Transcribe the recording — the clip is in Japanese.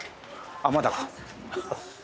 あっまだか。